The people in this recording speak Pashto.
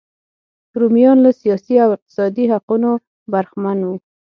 رومیان له سیاسي او اقتصادي حقونو برخمن وو.